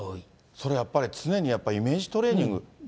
それやっぱり、常にイメージトレーニング。